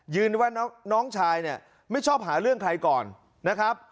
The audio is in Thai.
ว่าน้องชายเนี่ยไม่ชอบหาเรื่องใครก่อนนะครับ